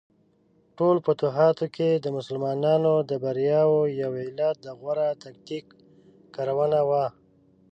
ټولو فتوحاتو کې د مسلمانانو د بریاوو یو علت د غوره تکتیک کارونه وه.